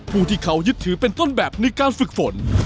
ผู้ที่เขายึดถือเป็นต้นแบบในการฝึกฝน